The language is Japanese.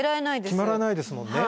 決まらないですもんね。